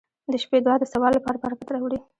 • د شپې دعا د سبا لپاره برکت راوړي.